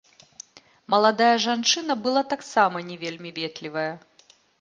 Маладая жанчына была таксама не вельмі ветлівая.